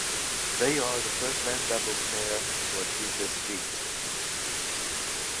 They are the first Men's Doubles pair to achieve this feat.